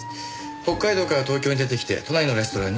北海道から東京に出てきて都内のレストランに就職。